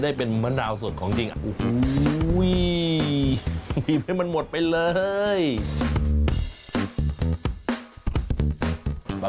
ได้ค่ะขอจังเมนูเพิ่มค่ะได้ค่ะ